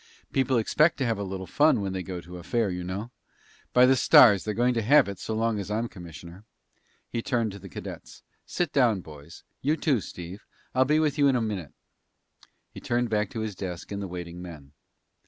People expect to have a little fun when they go to a fair, you know. By the stars, they're going to have it so long as I'm commissioner." He turned to the cadets. "Sit down, boys. You too, Steve. I'll be with you in a minute." He turned back to his desk and the waiting men.